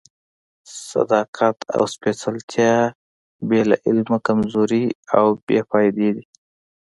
صداقت او سپېڅلتیا بې له علمه کمزوري او بې فائدې دي.